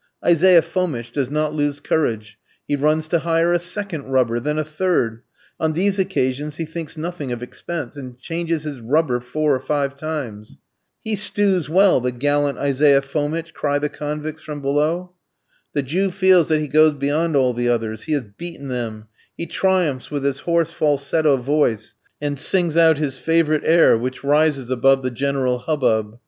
Isaiah Fomitch does not lose courage, he runs to hire a second rubber, then a third; on these occasions he thinks nothing of expense, and changes his rubber four or five times. "He stews well, the gallant Isaiah Fomitch," cry the convicts from below. The Jew feels that he goes beyond all the others, he has beaten them; he triumphs with his hoarse falsetto voice, and sings out his favourite air which rises above the general hubbub.